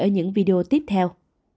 ở những video tiếp theo